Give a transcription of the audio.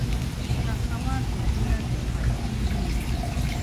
شهسوار په بېړه تر پايڅې ونيو.